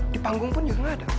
di panggung pun juga nggak ada